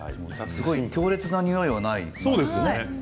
強烈なにおいはないですよね。